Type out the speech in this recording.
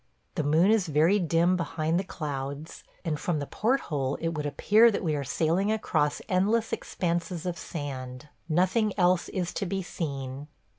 The moon is very dim behind the clouds, and from the port hole it would appear that we are sailing across endless expanses of sand: nothing else is to be seen.